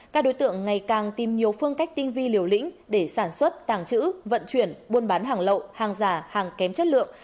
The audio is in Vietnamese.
các đối tượng ngày càng tìm nhiều phương cách tinh vi liều lĩnh để sản xuất tàng trữ vận chuyển buôn bán hàng lậu hàng giả hàng kém chất lượng